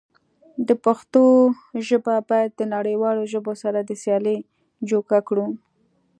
د پښتو ژبه بايد د نړيوالو ژبو سره د سيالی جوګه کړو.